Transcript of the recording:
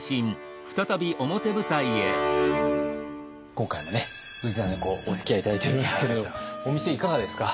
今回もね氏真公おつきあい頂いておりますけれどお店いかがですか？